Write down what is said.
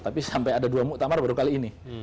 tapi sampai ada dua muktamar baru kali ini